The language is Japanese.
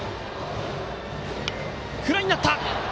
フライになった！